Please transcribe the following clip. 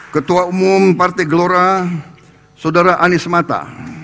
ketua umum partai gelora saudara anies mata